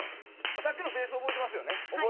さっきのベース覚えていますよね。